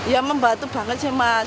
ya membantu banget sih mas